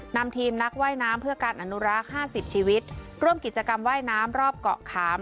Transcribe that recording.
นำทีมนักว่ายน้ำเพื่อการอนุรักษ์๕๐ชีวิตร่วมกิจกรรมว่ายน้ำรอบเกาะขาม